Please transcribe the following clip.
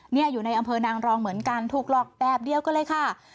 นี่อยู่ในอำเภอนางรองเหมือนกันถูกหลอกแบบเดียวกันเลยค่ะ